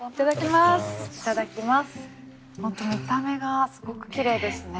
本当見た目がすごくきれいですね。